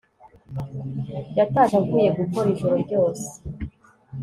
yatashye avuye gukora ijoro ryose